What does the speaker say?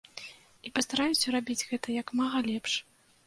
І пастараюся рабіць гэта як мага лепш.